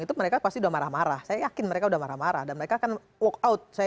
itu mereka pasti udah marah marah saya yakin mereka udah marah marah dan mereka akan walk out